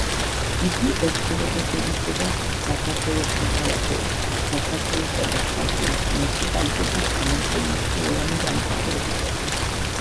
იგი ერთჯერადად ენიჭება საქართველოს მოქალაქეებს საქართველოსა და ხაშურის მუნიციპალიტეტის წინაშე მნიშვნელოვანი დამსახურებისათვის.